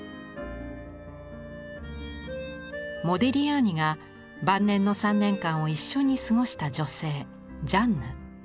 モディリアーニが晩年の３年間を一緒に過ごした女性ジャンヌ。